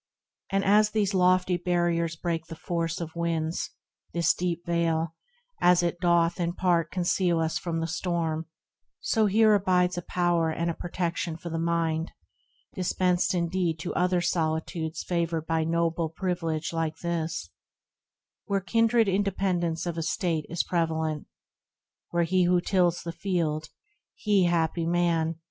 And as these lofty barriers break the force Of winds, — this deep Vale, as it doth in part Conceal us from the storm, so here abides A power and a protection for the mind, Dispensed indeed to other solitudes 26 THE RECLUSE Favoured by noble privilege like this, Where kindred independence of estate Is prevalent, where he who tills the field, He, happy man